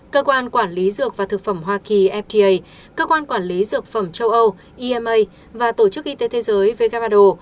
cơ quan quản lý dược và thực phẩm hoa kỳ fda cơ quan quản lý dược phẩm châu âu ema và tổ chức y tế thế giới vegabado